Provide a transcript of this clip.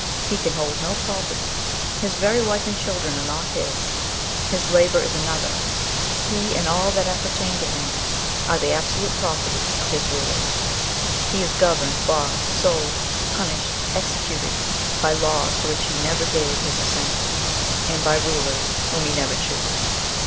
He can hold no property. His very wife and children are not his. His labour is another's. He, and all that appertain to him, are the absolute property of his rulers. He is governed, bought, sold, punished, executed, by laws to which he never gave his assent, and by rulers whom he never chose.